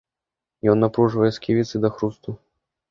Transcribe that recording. Ён напружвае сківіцы да хрусту.